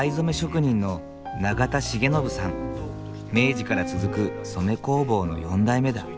明治から続く染め工房の４代目だ。